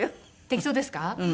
適当ですか？